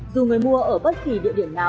dù người mua ở bất kỳ địa điểm nào